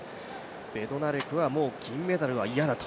ベドナレクは、もう銀メダルは嫌だと、